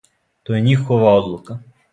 То је њихова одлука.